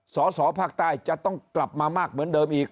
สอสอภาคใต้จะต้องกลับมามากเหมือนเดิมอีก